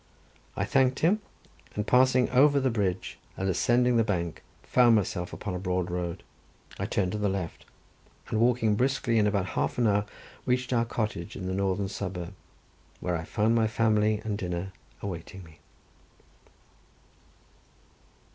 I thanked him, and passing over the bridge, and ascending the bank, found myself upon a broad road. I turned to the left, and walking briskly, in about half an hour reached our cottage in the northern suburb, where I found my family and dinner awaiting me.